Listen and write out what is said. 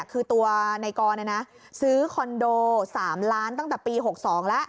คือตัวในกรซื้อคอนโด๓ล้านตั้งแต่ปี๖๒แล้ว